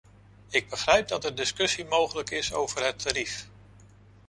Ik begrijp dat er discussie mogelijk is over het tarief.